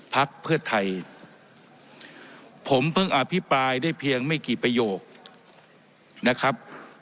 พักเพื่อไทยผมเพิ่งอภิปรายได้เพียงไม่กี่ประโยคนะครับ